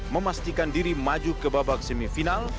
memastikan diri maju ke babak semifinal